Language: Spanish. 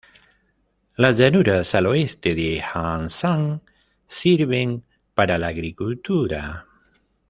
Las llanuras al oeste de Anshan sirven para la agricultura.